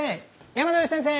山鳥先生！